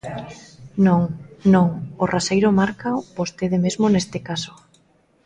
Non, non, o raseiro márcao vostede mesmo neste caso.